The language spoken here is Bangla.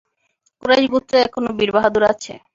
কুরাইশ গোত্রে এখনও বীর-বাহাদুর আছে।